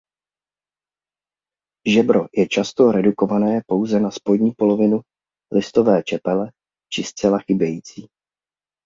Žebro je často redukované pouze na spodní polovinu listové čepele či zcela chybějící.